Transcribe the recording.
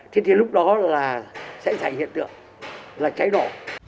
thì lúc đó là sẽ thành hiện tượng là cháy nổ